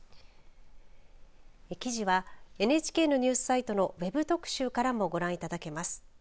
記事はＮＨＫのニュースサイトのＷＥＢ特集からもご覧いただけます。